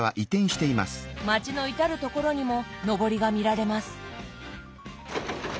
町の至る所にものぼりが見られます。